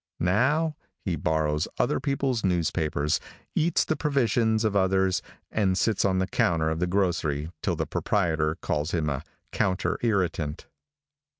Now, he borrows other people's newspapers, eats the provisions of others, and sits on the counter of the grocery till the proprietor calls him a counter irritant.